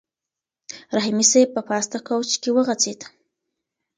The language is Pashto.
رحیمي صیب په پاسته کوچ کې وغځېد.